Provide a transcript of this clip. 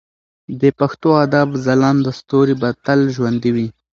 د پښتو ادب ځلانده ستوري به تل ژوندي وي.